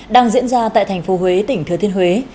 đang diễn ra tại thành phố huế tỉnh thừa thiên huế